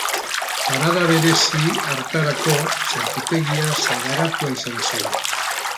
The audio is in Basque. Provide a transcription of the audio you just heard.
Parada berezi hartarako, santutegia sagaratua izan zen.